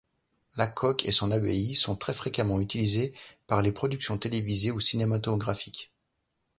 Lacock et son abbaye sont très fréquemment utilisés par les productions télévisées ou cinématographiques.